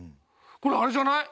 これあれじゃない？